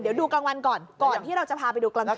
เดี๋ยวดูกลางวันก่อนก่อนที่เราจะพาไปดูกลางคืน